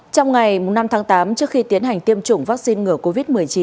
trong ngày năm tháng tám trước khi tiến hành tiêm chủng vaccine ngừa covid một mươi chín